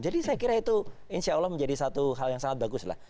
jadi saya kira itu insya allah menjadi satu hal yang sangat bagus lah